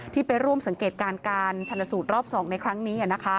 ที่ไปร่วมสังเกตการณ์การชนสูตรรอบ๒ในครั้งนี้